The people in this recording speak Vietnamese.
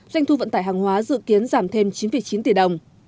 doanh thu vận tải hàng hóa dự kiến giảm thêm chín chín tỷ đồng